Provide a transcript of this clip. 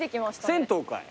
銭湯かい。